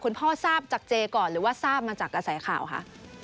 คุณพ่อทราบจากเจก่อนหรือว่าทราบมาจากกระแสข่าวคะ